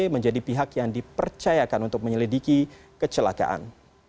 menjadi pihak yang dipercayakan untuk menyelidiki kecelakaan